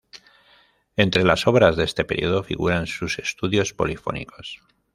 Entre las obras de este período figuran sus "Estudios polifónicos".